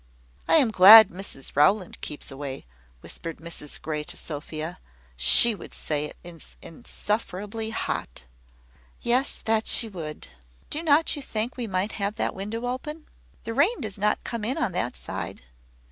"I am glad Mrs Rowland keeps away," whispered Mrs Grey to Sophia. "She would say it is insufferably hot." "Yes; that she would. Do not you think we might have that window open? The rain does not come in on that side.